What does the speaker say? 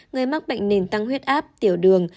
người mắc bệnh nên tăng huyết áp tiểu đường